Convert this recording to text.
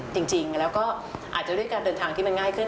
จริงแล้วก็อาจจะด้วยการเดินทางที่มันง่ายขึ้น